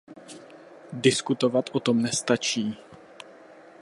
Diskutovat o tom nestačí.